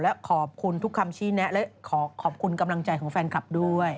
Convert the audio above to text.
และขอบคุณทุกคำชี้แนะและขอขอบคุณกำลังใจของแฟนคลับด้วย